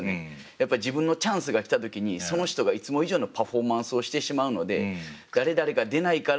やっぱり自分のチャンスが来た時にその人がいつも以上のパフォーマンスをしてしまうので誰々が出ないから。